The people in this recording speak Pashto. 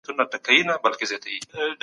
د اداري فساد پايلې بدې وي.